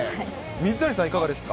水谷さん、いかがですか？